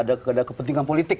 ada kepentingan politik